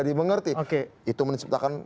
dimengerti itu menciptakan